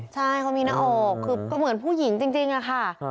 ใช่เขามีหน้าอกคือก็เหมือนผู้หญิงจริงอะค่ะ